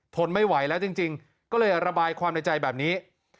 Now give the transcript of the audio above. ทนไม่ไหวแล้วจริงก็เลยระบายความในใจแบบนี้